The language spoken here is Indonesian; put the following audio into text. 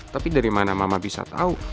tapi dari mana mama bisa tahu